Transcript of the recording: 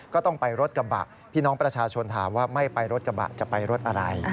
ก็ต้องไปรถกระบะพี่น้องประชาชนถามว่าไม่ไปรถกระบะจะไปรถอะไร